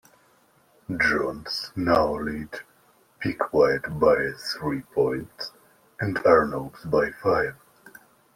Jones now led Piquet by three points and Arnoux by five.